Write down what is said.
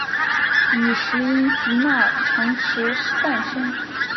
与石英及钠长石伴生。